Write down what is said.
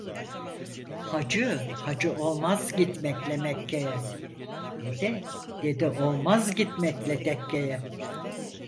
Hacı hacı olmaz gitmekle Mekke'ye, dede dede olmaz gitmekle tekkeye.